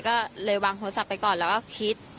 ก็เลยวางโทรศัพท์ไปก่อนแล้วก็คิด